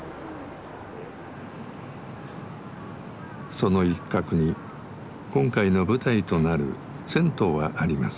その一角に今回の舞台となる銭湯はあります。